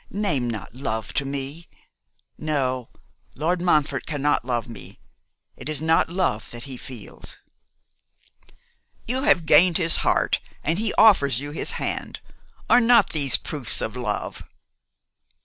name not love to me. No, Lord Montfort cannot love me. It is not love that he feels.' 'You have gained his heart, and he offers you his hand. Are not these proofs of love?